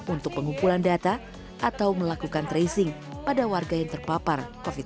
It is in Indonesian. untuk pengumpulan data atau melakukan tracing pada warga yang terpapar covid sembilan belas